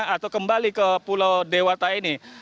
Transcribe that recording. atau kembali ke pulau dewata ini